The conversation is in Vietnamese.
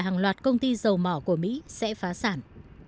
hàng loạt công ty dầu mỏ của mỹ sẽ phá sản